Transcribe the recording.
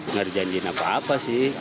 nggak dijanjini apa apa sih